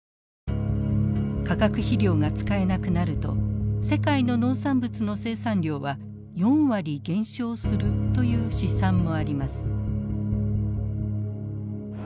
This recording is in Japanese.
化学肥料が使えなくなると世界の農産物の生産量は４割減少するという試算もあります。